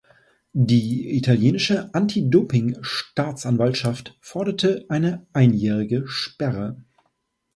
Die italienische Anti-Doping-Staatsanwaltschaft forderte eine einjährige Sperre.